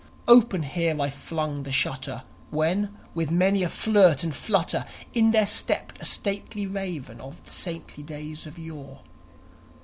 »_ Open here I flung the shutter, when, with many a flirt and flutter, In there stepped a stately Raven of the saintly days of yore.